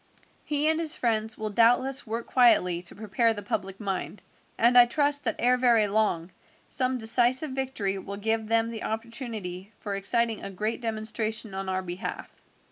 He and his friends will doubtless work quietly to prepare the public mind, and I trust that ere very long some decisive victory will give them the opportunity for exciting a great demonstration on our behalf."